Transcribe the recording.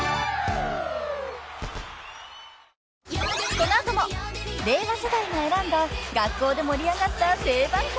［この後も令和世代が選んだ学校で盛り上がった定番曲］